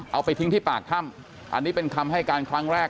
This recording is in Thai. เอาไปทิ้งที่ปากถ้ำอันนี้เป็นคำให้การครั้งแรก